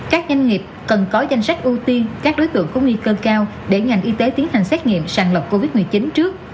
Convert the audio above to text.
các doanh nghiệp cần có danh sách ưu tiên các đối tượng có nguy cơ cao để ngành y tế tiến hành xét nghiệm sàng lọc covid một mươi chín trước